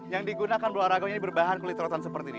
yang digunakan berolahraga ini berbahan kulit rotan seperti ini